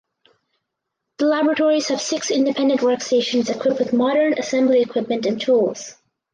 The laboratories have six independent workstations equipped with modern assembly equipment and tools.